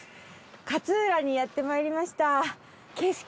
勝浦にやってまいりました。